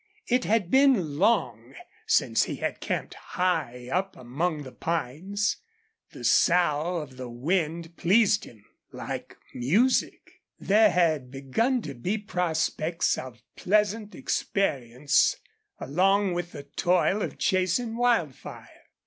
It had been long since he had camped high up among the pines. The sough of the wind pleased him, like music. There had begun to be prospects of pleasant experience along with the toil of chasing Wildfire.